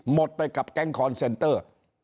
หมดไปกับแก๊งคอนเซนเตอร์